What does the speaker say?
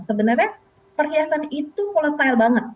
sebenarnya perhiasan itu volatile banget